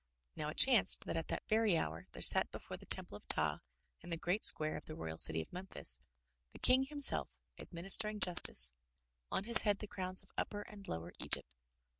Now it chanced that at that very hour there sat before the Temple of Ptah in the great square of the royal city of Memphis, the King himself, administering justice, on his head the crowns of Upper and Lower Egypt.